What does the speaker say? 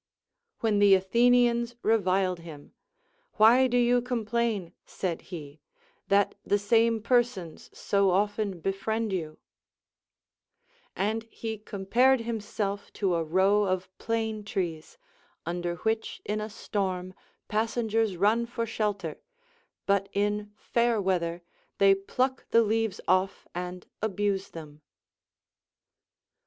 When the Athenians reviled him ; AVhy do you complain, said he, that the same persons so often befriend you ] And he compared himself to a row of plane trees, under which in a storm passengers run for shelter, but in fair weather they pluck the leaves off and abuse them.